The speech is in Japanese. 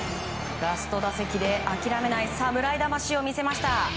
ラスト打席で諦めない侍魂を見せました。